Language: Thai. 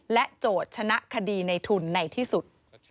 โจทย์ชนะคดีในทุนในที่สุด